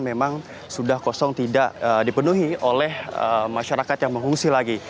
memang sudah kosong tidak dipenuhi oleh masyarakat yang mengungsi lagi